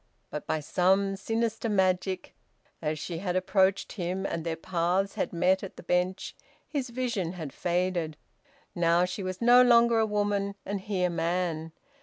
But by some sinister magic, as she had approached him and their paths had met at the bench, his vision had faded. Now, she was no longer a woman and he a man.